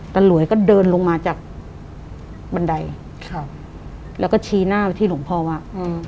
หลวยก็เดินลงมาจากบันไดครับแล้วก็ชี้หน้าไปที่หลวงพ่อว่า